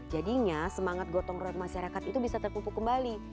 jadinya semangat gotong royong masyarakat itu bisa terkumpul kembali